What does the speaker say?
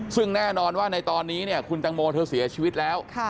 ซึ่งแน่นอนว่าในตอนนี้เนี่ยคุณตังโมเธอเสียชีวิตแล้ว